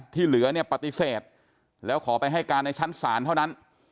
ที่เหลือเนี่ยปฏิเสธแล้วขอไปให้การในชั้นศาลเท่านั้น